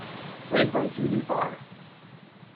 Played by Judi Farr.